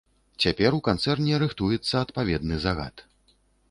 Цяпер у канцэрне рыхтуецца адпаведны загад.